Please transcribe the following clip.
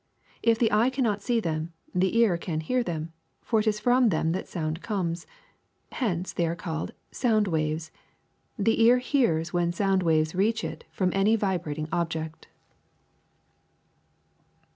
If the eye cannot see them, the ear can hear them, for it is from them that sound comes. Hence they are called sound waves. The ear hears when sound waves reach it from any vibrating object.